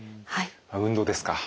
運動ですか。